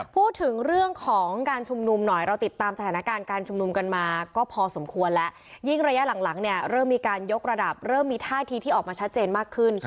พูดถึงเรื่องของการชุมนุมหน่อยเราติดตามสถานการณ์การชุมนุมกันมาก็พอสมควรแล้วยิ่งระยะหลังหลังเนี่ยเริ่มมีการยกระดับเริ่มมีท่าทีที่ออกมาชัดเจนมากขึ้น